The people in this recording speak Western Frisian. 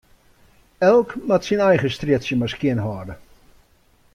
Elk moat syn eigen strjitsje mar skjinhâlde.